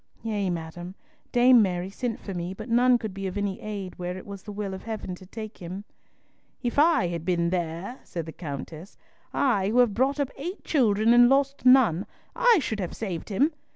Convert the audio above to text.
"Yea, madam. Dame Mary sent for me, but none could be of any aid where it was the will of Heaven to take him." "If I had been there," said the Countess, "I who have brought up eight children and lost none, I should have saved him!